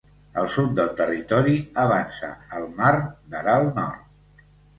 Al sud del territori avança el Mar d'Aral Nord.